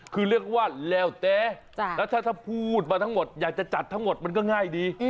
คือเรียกว่าแล้วแต่แล้วถ้าพูดมาทั้งหมดอยากจะจัดทั้งหมดมันก็ง่ายดี